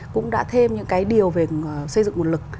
cũng đã thêm những cái điều về xây dựng nguồn lực